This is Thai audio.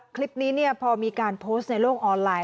คลิปนี้พอมีการโพสต์ในโลกออนไลน